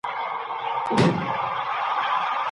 ستا په کتو به مي د زړه مړاوي غوټۍ ګل سولې